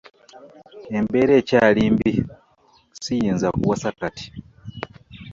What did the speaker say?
Embeera ekyali mbi ssiyinza kuwasa kati.